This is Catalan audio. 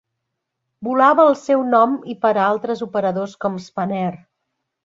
Volava al seu nom i per a altres operadors com Spanair.